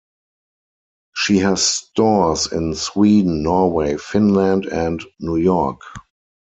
She has stores in Sweden, Norway, Finland and New York.